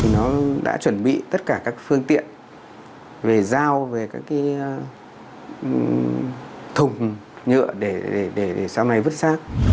nó đã chuẩn bị tất cả các phương tiện về dao về các thùng nhựa để sau này vứt sát